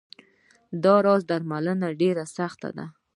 دا راز درملنه ډېره سخته وه.